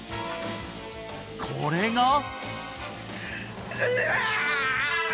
これがうわあ！